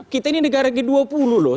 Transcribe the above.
kita ini negara g dua puluh loh